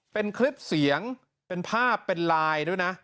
เป็นคลิปเสียงเป็นภาพเป็นไลน์ด้วยนะ